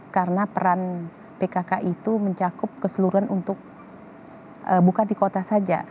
karena peran pkk itu mencakup keseluruhan untuk bukan di kota saja